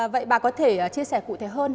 vậy bà có thể chia sẻ cụ thể hơn